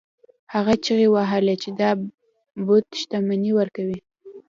هغه چیغې وهلې چې دا بت شتمني ورکوي.